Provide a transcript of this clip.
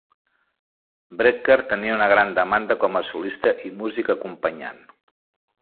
Brecker tenia una gran demanda com a solista i músic acompanyant.